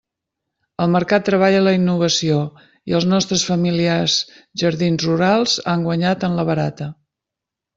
El mercat treballa la innovació i els nostres familiars jardins rurals han guanyat en la barata.